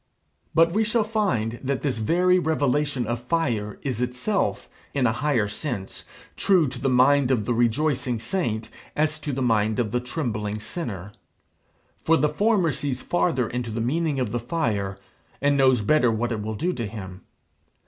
But we shall find that this very revelation of fire is itself, in a higher sense, true to the mind of the rejoicing saint as to the mind of the trembling sinner. For the former sees farther into the meaning of the fire, and knows better what it will do to him.